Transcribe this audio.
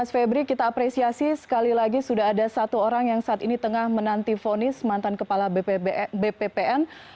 mas febri kita apresiasi sekali lagi sudah ada satu orang yang saat ini tengah menanti fonis mantan kepala bppn